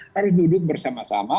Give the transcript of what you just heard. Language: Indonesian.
harus duduk bersama sama